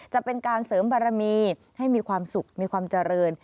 จะเป็นการเสริมบารมีให้มีความสุขมีความเจริญ